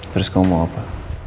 terus kamu mau apa